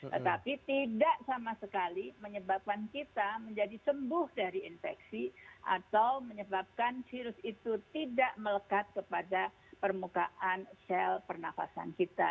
tetapi tidak sama sekali menyebabkan kita menjadi sembuh dari infeksi atau menyebabkan virus itu tidak melekat kepada permukaan sel pernafasan kita